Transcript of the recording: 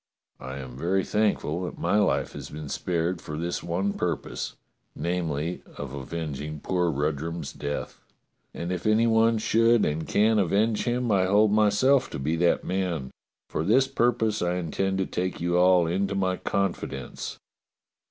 I am very thankful that my life has been spared for this one purpose — namely, of avenging poor Rudrum's death — and if any one should and can avenge him, I hold myself to be that man. For this purpose I intend to take you all into my confidence.